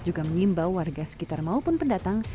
juga mengimbau warga sekitar maupun pendatang